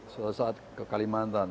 suatu saat ke kalimantan